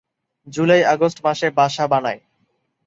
জুলাই-আগস্ট মাসে বাসা বানায়।